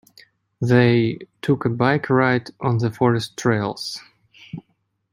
They took a bike ride on the forest trails.